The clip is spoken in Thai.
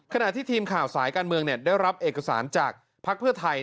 ขณะที่ทีมข่าวสายการเมืองได้รับเอกสารจากภักดิ์เพื่อไทย